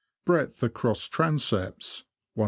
; breadth across transepts, 178ft.